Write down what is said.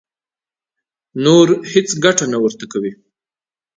نوره هېڅ ګټه نه ورته کوي.